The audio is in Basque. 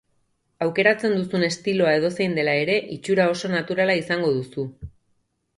Aukeratzen duzun estiloa edozein dela ere, itxura oso naturala izango duzu.